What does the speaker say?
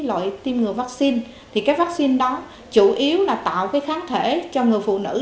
loại tiêm ngừa vaccine thì cái vaccine đó chủ yếu là tạo cái kháng thể cho người phụ nữ